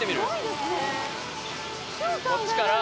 こっちから。